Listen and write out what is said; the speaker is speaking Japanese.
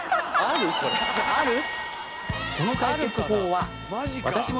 ある？